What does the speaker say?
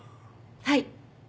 はい。